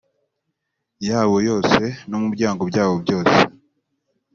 yabo yose no mu byago byabo byose